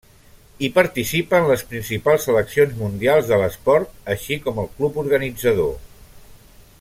Hi participen les principals seleccions mundials de l'esport així com el club organitzador.